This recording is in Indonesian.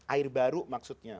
air baru maksudnya